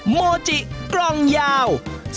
โมจิกล่องยาว